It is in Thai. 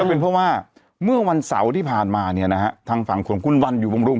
เป็นเพราะว่าเมื่อวันเสาร์ที่ผ่านมาเนี่ยนะฮะทางฝั่งของคุณวันอยู่บำรุง